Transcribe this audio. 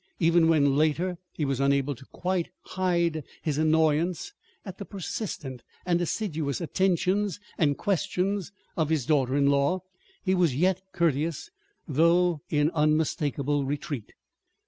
Even when, later, he was unable quite to hide his annoyance at the persistent and assiduous attentions and questions of his daughter in law, he was yet courteous, though in unmistakable retreat.